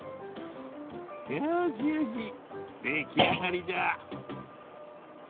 よしよしできあがりじゃ。